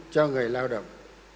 cho người lao động